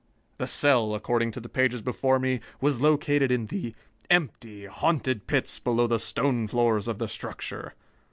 The cell, according to the pages before me, was located in the "empty, haunted pits below the stone floors of the structure...."